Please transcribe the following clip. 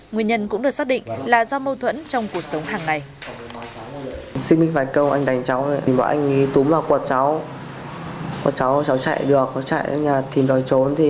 nguyên nhân cũng được xác định là do mâu thuẫn trong cuộc sống hàng ngày